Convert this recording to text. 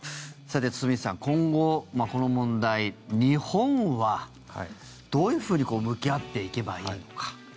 さて、堤さん今後この問題日本はどういうふうに向き合っていけばいいのか。